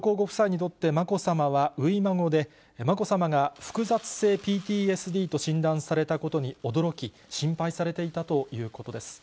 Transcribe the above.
上皇ご夫妻にとってまこさまは、初孫で、まこさまが複雑性ＰＴＳＤと診断されたことに驚き、心配されていたということです。